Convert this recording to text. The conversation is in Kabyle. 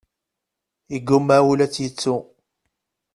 Yeggumma wul ad tt-yettu.